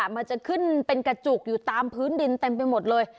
มันจะขึ้นเป็นกระจุกอยู่ตามพื้นดินเต็มไปหมดเลย